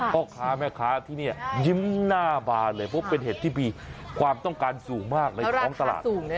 พ่อค้าแม่ค้าที่นี่ยิ้มหน้าบานเลยเพราะเป็นเห็ดที่มีความต้องการสูงมากในท้องตลาด